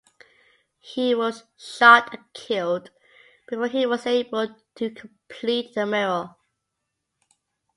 He was shot and killed before he was able to complete the mural.